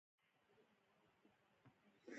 د پغمان دره ولې د سیلانیانو ځای دی؟